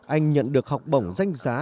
anh nhận được học bổng danh giá